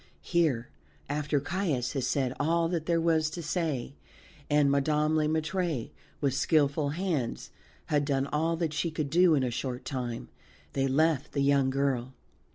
Here, after Caius had said all that there was to say, and Madame Le Maître, with skilful hands, had done all that she could do in a short time, they left the young girl.